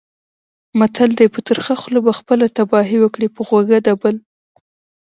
متل دی: په ترخه خوله به خپله تباهي وکړې، په خوږه د بل.